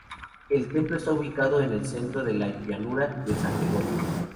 El templo está ubicado en el centro de la llanura de san Gregorio.